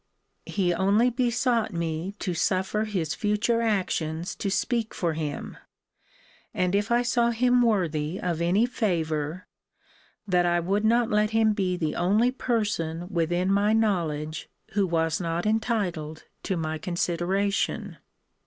He only besought me to suffer his future actions to speak for him; and if I saw him worthy of any favour, that I would not let him be the only person within my knowledge who was not entitled to my consideration.